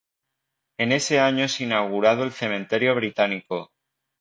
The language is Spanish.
En ese año es inaugurado el Cementerio Británico.